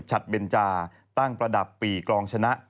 เบนจาตั้งประดับปีกรองชนะ